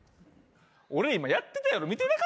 俺今やってたやろ見てなかったんか？